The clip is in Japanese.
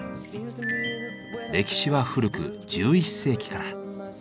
歴史は古く１１世紀から。